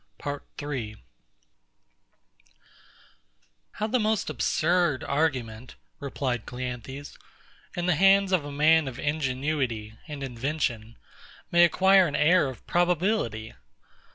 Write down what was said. PART 3 How the most absurd argument, replied CLEANTHES, in the hands of a man of ingenuity and invention, may acquire an air of probability!